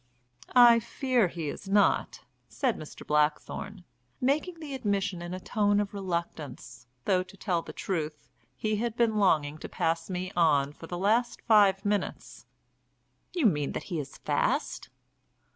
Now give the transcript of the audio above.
"I fear he is not," said Mr. Blackthorne, making the admission in a tone of reluctance, though, to tell the truth, he had been longing to pass me on for the last five minutes. "You mean that he is fast?"